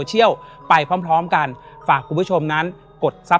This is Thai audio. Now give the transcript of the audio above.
และยินดีต้อนรับทุกท่านเข้าสู่เดือนพฤษภาคมครับ